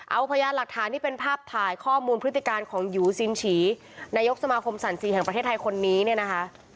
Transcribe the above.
เอาพยานหลักฐานที่เป็นภาพถ่ายข้อมูลพฤติการของหยูซินฉีนายกสมาคมสันซีแห่งประเทศไทยคนนี้เนี่ยนะคะ